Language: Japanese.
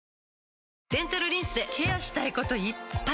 デンタルリンスでケアしたいこといっぱい！